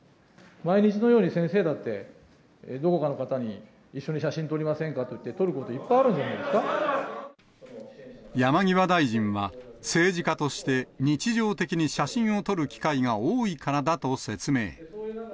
毎日のように先生だって、どこかの方に一緒に写真撮りませんかっていって、撮ること、山際大臣は、政治家として日常的に写真を撮る機会が多いからだと説明。